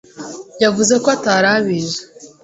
Yavuze ko atari abizi.